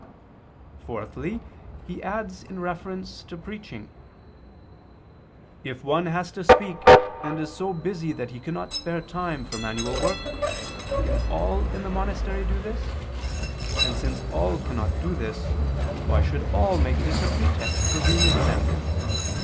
Fourthly, he adds in reference to preaching [*Cap. xviii]: "If one has to speak, and is so busy that he cannot spare time for manual work, can all in the monastery do this? And since all cannot do this, why should all make this a pretext for being exempt?